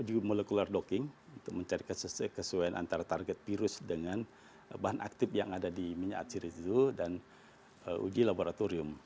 uji molecular docking untuk mencari kesesuaian antara target virus dengan bahan aktif yang ada di minyak atsirizoo dan uji laboratorium